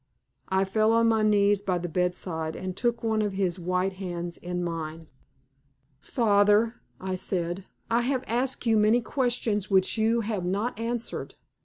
I fell on my knees by the bedside, and took one of his white hands in mine. "Father," I said, "I have asked you many questions which you have not answered.